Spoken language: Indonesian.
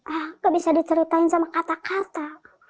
enggak bisa diceritain sama kata kata